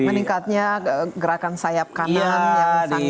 meningkatnya gerakan sayap kanan yang sangat